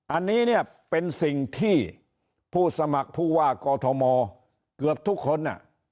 อันนี้เนี่ยเป็นสิ่งที่ผู้สมัครผู้ว่ากอทมเกือบทุกคน